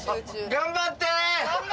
頑張って！